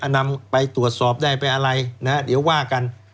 นำไปตรวจสอบได้ไปอะไรนะเดี๋ยวว่ากัน